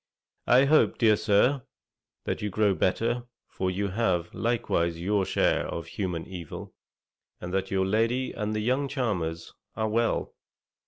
I hope, dear Sir, that you grow better, for you have likewise your share of human evil, and that your lady and the young charmers are well.